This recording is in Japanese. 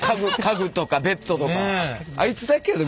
あいつだけやで。